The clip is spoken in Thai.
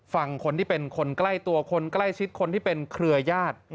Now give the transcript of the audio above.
ฟังคนที่เป็นคนใกล้ตัวคนใกล้ชิดคนที่เป็นเครือญาติ